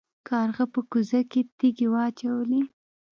کارغه په کوزه کې تیږې واچولې.